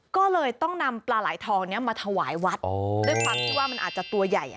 ก็เลยต้องนำปลาไหลทองนี้มาถวายวัดด้วยความที่ว่ามันอาจจะตัวใหญ่